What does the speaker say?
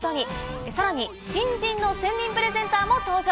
さらに新人の選任プレゼンターも登場。